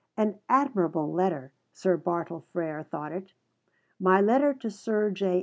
An "admirable" letter, Sir Bartle Frere thought it; "my letter to Sir J.